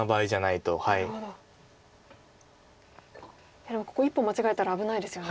いやでもここ一歩間違えたら危ないですよね。